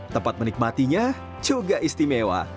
tempat menikmatinya juga istimewa